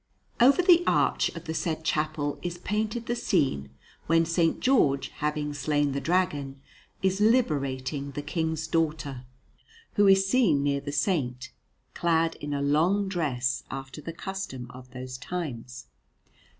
Over the arch of the said chapel is painted the scene when S. George, having slain the Dragon, is liberating the King's daughter, who is seen near the Saint, clad in a long dress after the custom of those times.